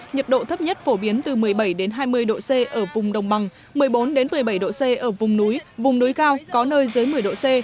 nhiệt độ thấp nhất phổ biến từ một mươi bảy hai mươi độ c ở vùng đồng bằng một mươi bốn một mươi bảy độ c ở vùng núi vùng núi cao có nơi dưới một mươi độ c